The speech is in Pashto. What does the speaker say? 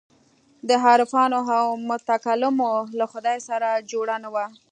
د عارفانو او متکلمانو له خدای سره جوړ نه وو.